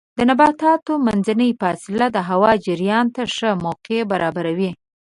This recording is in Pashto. د نباتاتو منځنۍ فاصله د هوا جریان ته ښه موقع برابروي.